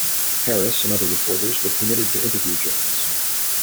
Harris and other reporters were permitted to interview Jones.